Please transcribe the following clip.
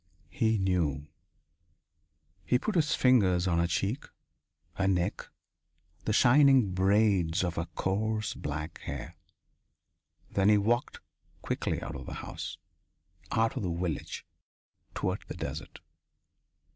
He knew! He put his fingers on her cheek, her neck, the shining braids of her coarse black hair. Then he walked quickly out of the house, out of the village, toward the desert.